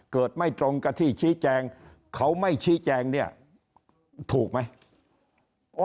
เกิดไม่ตรงกับที่ชี้แกงเขาไม่ชี้แกงถูกไหม